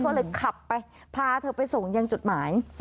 ก็เลยขับไปพาเธอไปส่งยังจุดหมาย